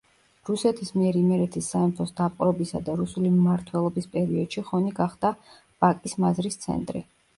რუსეთის მიერ იმერეთის სამეფოს დაპყრობისა და რუსული მმართველობის პერიოდში ხონი გახდა ვაკის მაზრის ცენტრი.